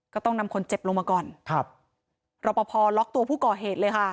ก็ต้องนำคนเจ็บลงมาก่อนครับรอปภล็อกตัวผู้ก่อเหตุเลยค่ะ